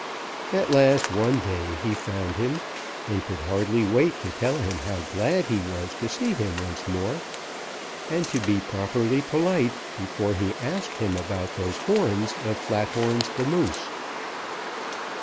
At last one day he found him and could hardly wait to tell him how glad he was to see him once more and to be properly polite before he asked him about those horns of Flat horns the Moose.